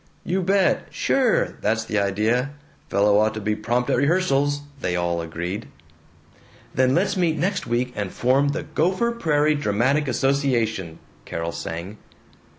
"You bet!" "Sure." "That's the idea." "Fellow ought to be prompt at rehearsals," they all agreed. "Then let's meet next week and form the Gopher Prairie Dramatic Association!" Carol sang.